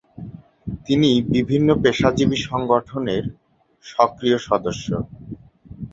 তিনি বিভিন্ন পেশাজীবী সংগঠনের সক্রিয় সদস্য।